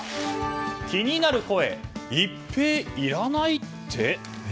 気になる声イッペイいらないって。